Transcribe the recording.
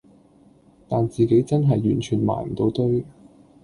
但自己真係完全埋唔到堆